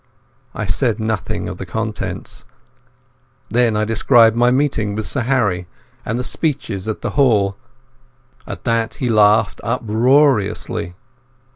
I said nothing of the contents. Then I described my meeting with Sir Harry, and the speeches at the hall. At that he laughed uproariously.